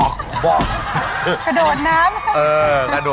ขดดน้ำ